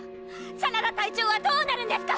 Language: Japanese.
シャララ隊長はどうなるんですか